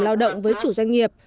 lao động với chủ doanh nghiệp